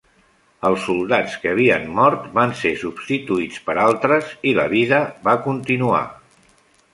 Els soldats que havien mort van ser substituïts per altres, i la vida va continuar.